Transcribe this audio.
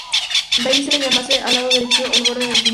De ahí que se llamase al lado derecho el ‘borde del timón’.